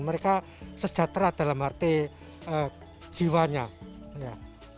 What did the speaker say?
mereka sejahtera dalam arti jiwanya ya